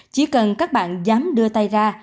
chỉ cần các bạn dám đưa tay ra